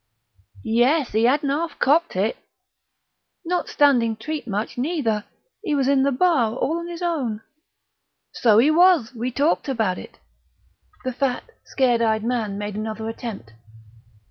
"Yes, 'e 'adn't 'alf copped it...." "Not standing treat much, neither; he was in the bar, all on his own...." "So 'e was; we talked about it...." The fat, scared eyed man made another attempt.